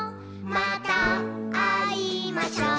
「またあいましょう」